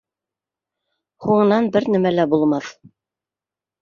Һуңынан бер нәмә лә булмаҫ.